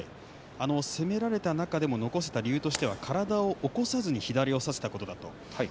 攻められた中でも残せた理由としては体を起こさずに左を差せたことだと言っていました。